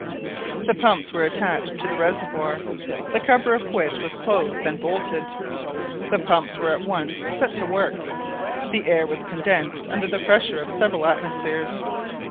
The pumps were attached to the reservoir, the cover of which was closed and bolted. The pumps were then at once set to work, and the air was condensed under the pressure of several atmospheres.